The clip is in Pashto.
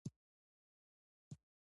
ګل د تودوخې مینه لري.